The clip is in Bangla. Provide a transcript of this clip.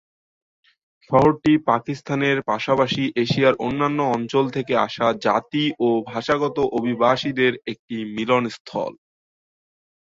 শহরটি পাকিস্তানের পাশাপাশি এশিয়ার অন্যান্য অঞ্চল থেকে আসা জাতি ও ভাষাগত অভিবাসীদের একটি মিলনস্থল।